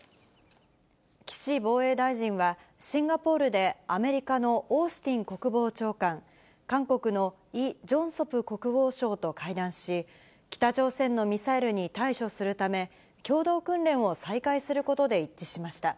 岸防衛大臣は、シンガポールでアメリカのオースティン国防長官、韓国のイ・ジョンソプ国防相と会談し、北朝鮮のミサイルに対処するため、共同訓練を再開することで一致しました。